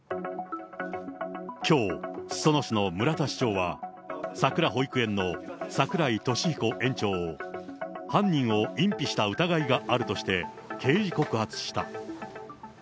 きょう、裾野市の村田市長は、さくら保育園の櫻井利彦園長を犯人を隠避した疑いがあるとして、刑事告発した。